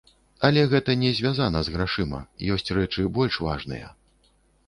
Але гэта не звязана з грашыма, ёсць рэчы больш важныя.